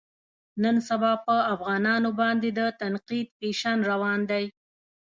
نن سبا په افغانانو باندې د تنقید فیشن روان دی.